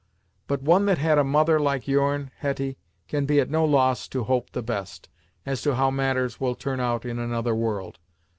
But one that had a mother like your'n, Hetty, can be at no loss to hope the best, as to how matters will turn out in another world.